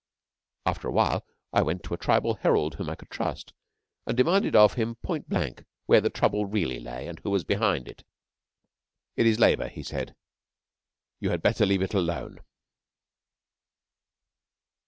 After a while I went to a Tribal Herald whom I could trust, and demanded of him point blank where the trouble really lay, and who was behind it. 'It is Labour,' he said. 'You had better leave it alone.'